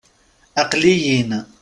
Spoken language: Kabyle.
Aql-iyi-n.